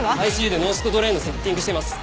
ＩＣＵで脳室ドレーンのセッティングしてます。